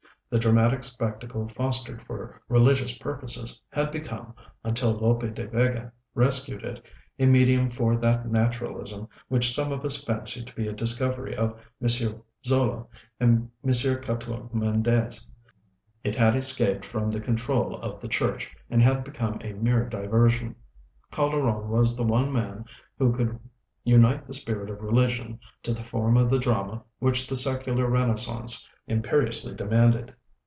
The dramatic spectacle fostered for religious purposes had become, until Lope de Vega rescued it, a medium for that "naturalism" which some of us fancy to be a discovery of M. Zola and M. Catulle Mendès; it had escaped from the control of the Church and had become a mere diversion. Calderon was the one man who could unite the spirit of religion to the form of the drama which the secular renaissance imperiously demanded.